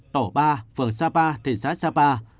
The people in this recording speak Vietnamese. tổ ba phường sapa thị xã sapa